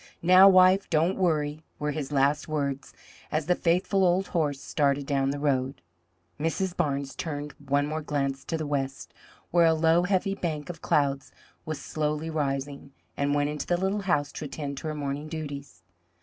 Now, wife, don't worry!" were his last words as the faithful old horse started down the road. Mrs. Barnes turned one more glance to the west, where a low, heavy bank of clouds was slowly rising, and went into the little house to attend to her morning duties.